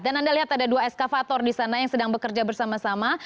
dan anda lihat ada dua eskavator di sana yang sedang bekerja bersama sama